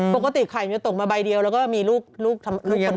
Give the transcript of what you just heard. ปกติไข่มันจะตกมาใบเดียวแล้วก็มีลูกคนหนึ่ง